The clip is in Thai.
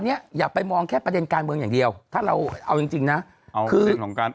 เนี้ยอย่าไปมองแค่ประเด็นการเมืองอย่างเดียวถ้าเราเอาจริงจริงนะเอาคือของการ